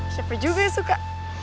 siapa juga yang suka